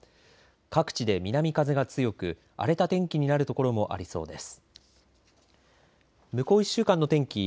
各地で南風が強く荒れた天気になる所もありそうです。